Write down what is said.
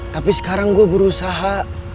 tapi sekarang gue berusaha